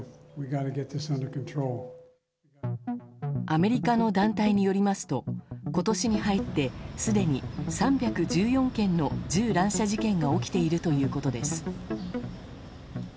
アメリカの団体によりますと今年に入ってすでに３１４件の銃乱射事件が起きているということです。